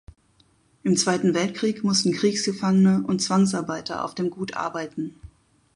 Im Zweiten Weltkrieg mussten Kriegsgefangene und Zwangsarbeiter auf dem Gut arbeiten.